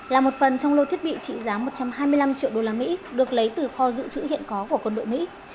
là một phần trong lô thiết bị trị giá một trăm hai mươi năm triệu usd được lấy từ kho giữ chữ hiện có của quân đội mỹ